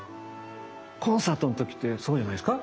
コンサートの時ってそうじゃないですか？